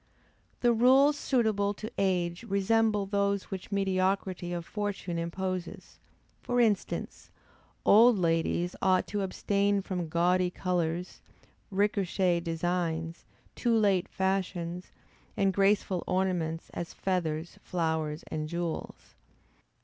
The rules suitable to age resemble those which mediocrity of fortune imposes; for instance, old ladies ought to abstain from gaudy colors, recherché designs, too late fashions, and graceful ornaments, as feathers, flowers, and jewels.